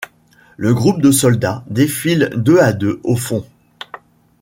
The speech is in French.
Le groupe de soldats défile deux à deux au fond.